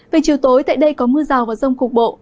về chiều tối tại đây có mưa rào và rông cục bộ